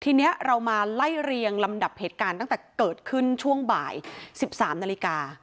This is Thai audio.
ทีนี้เรามาไล่เรียงลำดับเหตุการณ์ตั้งแต่เกิดขึ้นช่วงบ่าย๑๓นาฬิกา